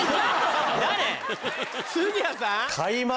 杉谷さん！